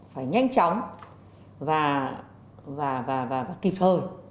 phải nhanh chóng và kịp hơi